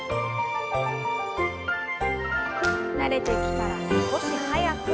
慣れてきたら少し速く。